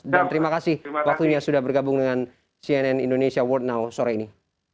dan terima kasih waktunya sudah bergabung dengan cnn indonesia world now sore ini